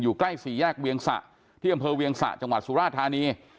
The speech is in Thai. อยู่ใกล้๔แยกเวียงสะที่กัมเขาเวียงสะจังหวัดสุราษณ์ฐานี